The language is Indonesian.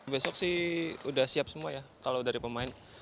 besok sih udah siap semua ya kalau dari pemain